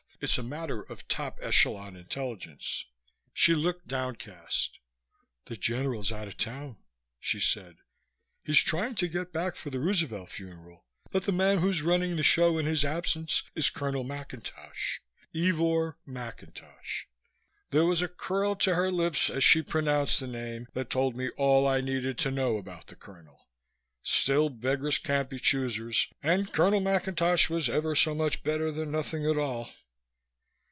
It's a matter of top echelon intelligence." She looked downcast. "The General's out of town," she said. "He's trying to get back for the Roosevelt funeral but the man who's running the show in his absence is Colonel McIntosh. Ivor McIntosh." There was a curl to her lips as she pronounced the name that told me all I needed to know about the colonel. Still, beggars can't be choosers and Colonel McIntosh was ever so much better than nothing at all.